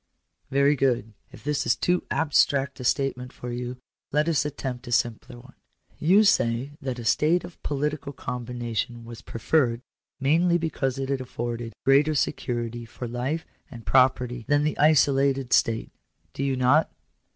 " Very good. If this is too abstract a statement for you, let us attempt a simpler one. . You say that a state of political com Digitized by VjOOQIC 204 POLITICAL RIGHTS. bination was preferred mainly because it afforded greater se curity for life and property than the isolated state, do you not?"